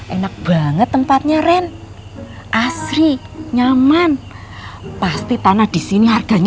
enak banget tempatnya ren